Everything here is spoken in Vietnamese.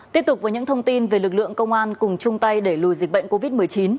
tiếp tục với những thông tin về lực lượng công an cùng chung tay đẩy lùi dịch bệnh covid một mươi chín